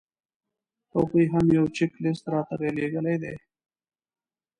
هغوی هم یو چیک لیست راته رالېږلی دی.